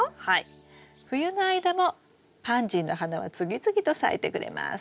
冬の間もパンジーの花は次々と咲いてくれます。